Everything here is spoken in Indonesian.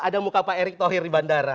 ada muka pak erick thohir di bandara